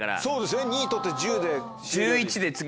そうですね２位取って１０で。